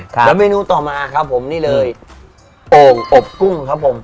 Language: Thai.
แล้วเมนูต่อมาครับผมนี่เลยโอ่งอบกุ้งครับผม